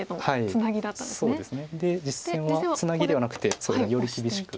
で実戦はツナギではなくてより厳しく。